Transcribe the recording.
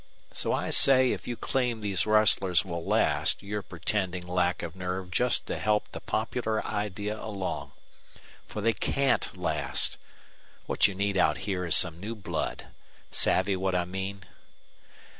So I say if you claim these rustlers will last you're pretending lack of nerve just to help the popular idea along. For they CAN'T last. What you need out here is some new blood. Savvy what I mean?"